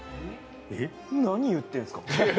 え、何言ってるんですか？